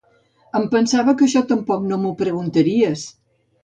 Em pensava que això tampoc no ho preguntaries!